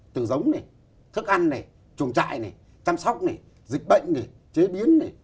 từ giống này thức ăn này chuồng trại này chăm sóc này dịch bệnh này chế biến này